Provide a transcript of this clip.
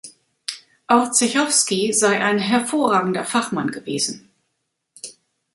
Orzechowski sei ein hervorragender Fachmann gewesen.